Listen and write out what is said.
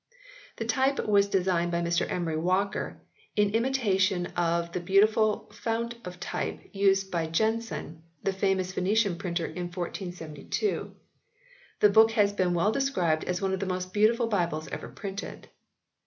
The type was designed by Mr Emery Walker in imitation of the beautiful fount of type used by Jenson, the famous Venetian printer in 1472. The book has been well described as one of the most beautiful Bibles ever printed.